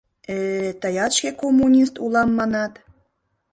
Э-э, тыят шке коммунист улам манат.